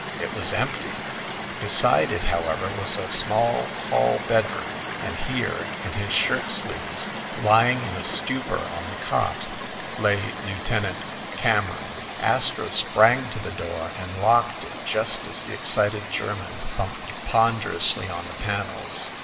It was empty ! Beside it, however, was a small hall bedroom, and here, in his shirt sleeves, lying in a stupor on the cot, lay Lieutenant Cameron. Astro sprang to the door and locked it just as the excited German thumped ponderously on the panels.